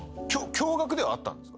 共学ではあったんですか？